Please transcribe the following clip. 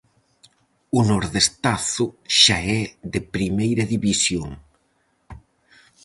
O Nordestazo xa é de primeira división.